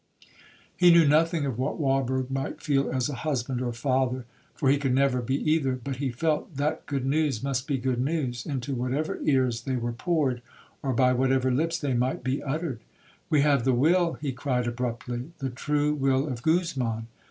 He knew nothing of what Walberg might feel as a husband or father,—for he could never be either; but he felt that good news must be good news, into whatever ears they were poured, or by whatever lips they might be uttered. 'We have the will,' he cried abruptly, 'the true will of Guzman.